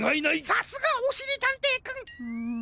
さすがおしりたんていくん！